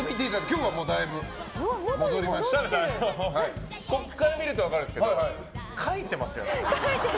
今日はだいぶここから見ると分かるんですけど描いてますよね？